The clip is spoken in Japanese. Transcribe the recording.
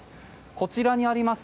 こちらにあります